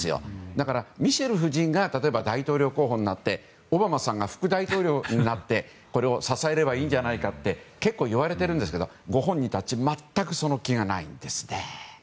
だから、ミシェル夫人が大統領候補になってオバマさんが副大統領になってこれを支えればいいんじゃないかって結構いわれてるんですけどご本人たち全くその気がないんですね。